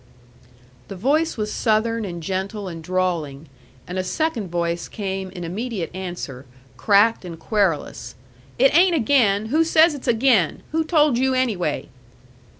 The voice was Southern and gentle and drawling; and a second voice came in immediate answer, cracked and querulous. "It ain't again. Who says it's again? Who told you, anyway?"